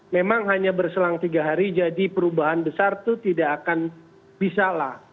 memang hanya berselang tiga hari jadi perubahan besar itu tidak akan bisa lah